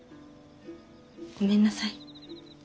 ごめんなさい。